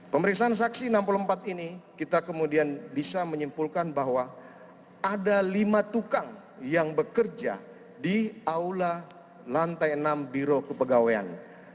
pemeriksaan saksi enam puluh empat ini kita kemudian bisa menyimpulkan bahwa ada lima tukang yang bekerja di aula lantai enam biro kepegawaian